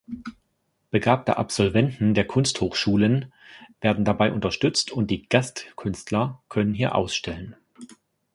Begabte Absolventen der Kunsthochschulen werden dabei unterstützt und die Gastkünstler können hier ausstellen.